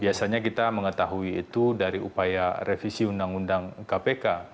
biasanya kita mengetahui itu dari upaya revisi undang undang kpk